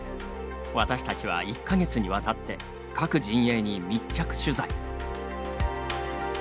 私たちは１か月にわたって各陣営に密着取材。